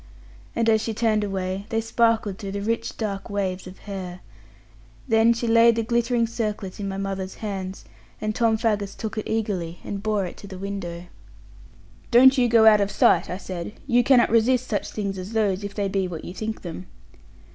And as she turned away, they sparkled through the rich dark waves of hair. Then she laid the glittering circlet in my mother's hands; and Tom Faggus took it eagerly, and bore it to the window. 'Don't you go out of sight,' I said; 'you cannot resist such things as those, if they be what you think them.'